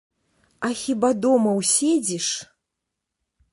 А хіба дома ўседзіш?